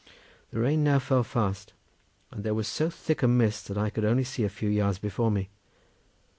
The rain now fell fast, and there was so thick a mist that I could only see a few yards before me.